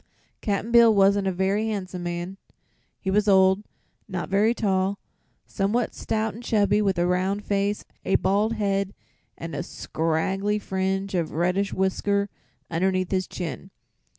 Cap'n Bill wasn't a very handsome man. He was old, not very tall, somewhat stout and chubby, with a round face, a bald head and a scraggly fringe of reddish whisker underneath his chin.